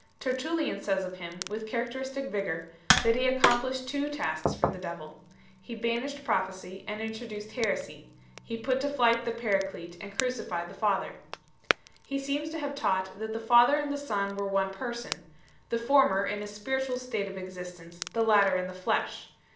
Tertullian says of him, with characteristic vigour, that he accomplished two tasks for the devil he banished prophecy and introduced heresy, he put to flight the Paraclete and crucified the Father 4 . He seems to have taught, that the Father and the Son were one Person, the former in a spiritual state of existence, the latter in the flesh.